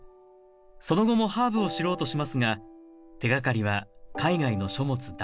その後もハーブを知ろうとしますが手がかりは海外の書物だけ。